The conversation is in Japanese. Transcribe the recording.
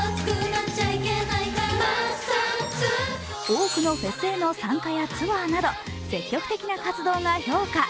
多くのフェスへの参加やツアーなど積極的な活動が評価。